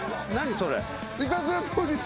それ。